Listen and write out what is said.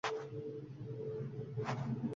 Albatta, qiyinchilik bilan birga yengillik ham bor.